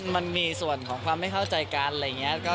มันมีส่วนของความไม่เข้าใจกันอะไรอย่างนี้